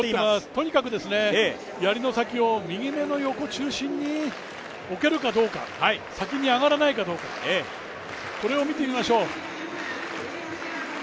とにかくやりの先を右目の横中心に置けるかどうか、先に上がらないかどうか、これを見てみましょう。